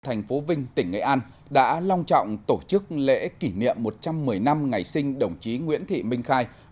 thành phố vinh tỉnh nghệ an đã long trọng tổ chức lễ kỷ niệm một trăm một mươi năm ngày sinh đồng chí nguyễn thị minh khai